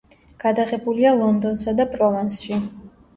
გადაღებულია ლონდონსა და პროვანსში.